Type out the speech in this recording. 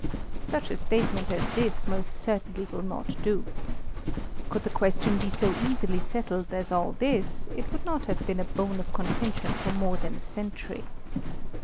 Such a statement as this most certainly will not do. Could the ques tion be so easily settled as all this, it would not have been a bone of contention for more than acentury.